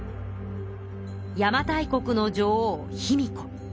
邪馬台国の女王・卑弥呼。